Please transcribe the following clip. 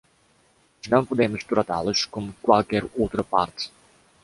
Nós não podemos tratá-los como qualquer outra parte.